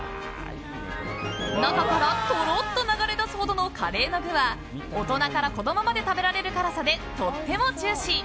中から、とろっと流れ出すほどのカレーの具は大人から子供まで食べられる辛さでとってもジューシー。